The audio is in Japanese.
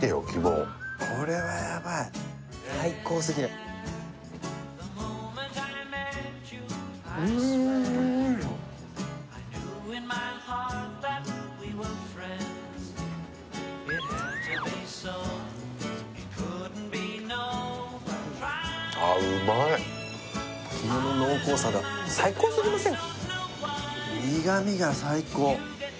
これはヤバい最高すぎるあっうまい肝の濃厚さが最高すぎません？